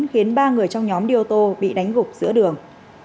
khiến ba người trong nhóm đi ô tô bị đánh gục giữa đường